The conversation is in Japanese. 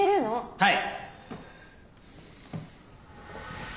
はい！